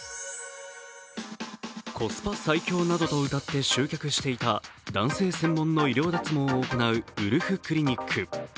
コスパ最強などとうたって集客していた男性専門の医療脱毛を行うウルフクリニック。